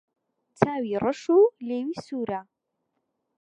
چاوی رەش و لێوی سوورە